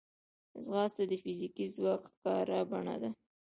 ځغاسته د فزیکي ځواک ښکاره بڼه ده